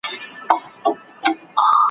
ښوونکی دا تشریح کاوه.